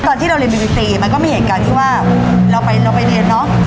ตอนที่เราเรียนบริษีมันก็ไม่เห็นกันที่ว่าเราไปเรียนเนาะ